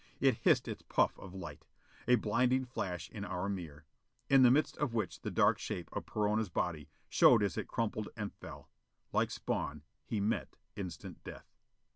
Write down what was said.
It hissed its puff of light a blinding flash on our mirror in the midst of which the dark shape of Perona's body showed as it crumpled and fell. Like Spawn, he met instant death.